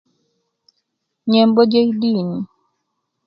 Nyembo jei dini